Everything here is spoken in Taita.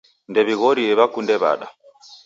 Ndew'ighorie w'akunde w'ada.